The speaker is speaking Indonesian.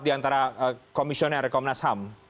diantara komisioner komnas ham